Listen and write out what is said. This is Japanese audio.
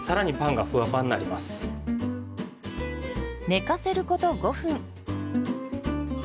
寝かせること５分。